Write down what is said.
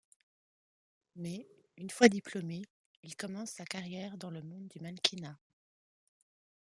Mais, une fois diplômé, il commence sa carrière dans le monde du mannequinat.